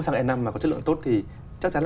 xăng e năm mà có chất lượng tốt thì chắc chắn là